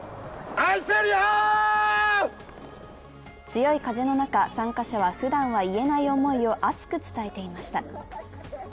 強い風の中、参加者はふだんは言えない思いを熱く伝えていました。